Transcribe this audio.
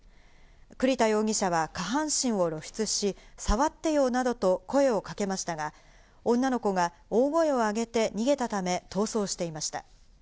栗田容疑者は下半身を露出し、触ってよなどと声をかけましたが、女の子が大声を上げて逃げたため逃走していました。